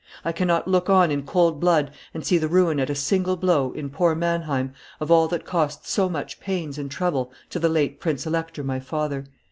I cannot look on in cold blood and see the ruin at a single blow, in poor Manheim, of all that cost so much pains and trouble to the late prince elector, my father.